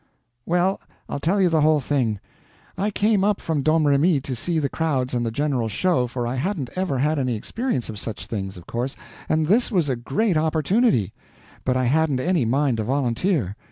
"Well, I'll tell you the whole thing. I came up from Domremy to see the crowds and the general show, for I hadn't ever had any experience of such things, of course, and this was a great opportunity; but I hadn't any mind to volunteer.